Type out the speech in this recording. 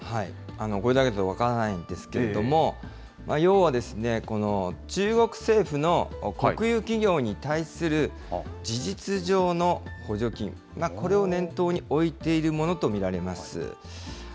これだけだと分からないんですけれども、要はですね、この中国政府の国有企業に対する事実上の補助金、これを念頭に置いているものと見られます。